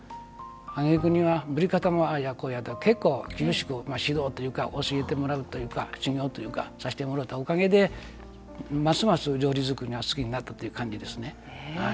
あげくには、盛り方もああやこうやと結構、厳しく指導というか教えてもらう、修行をさせてもらったおかげでますます料理作りが好きになったという感じですね。